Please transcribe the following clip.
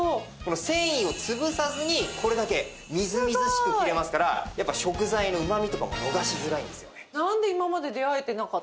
繊維を潰さずにこれだけみずみずしく切れますからやっぱ食材のうまみとかも逃しづらいですよね。